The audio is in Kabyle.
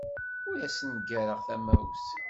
Ur asen-ggareɣ tamawt.